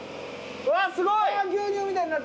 うわすごい。